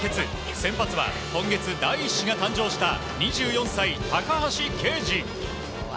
先発は、今月第１子が誕生した２４歳、高橋奎二。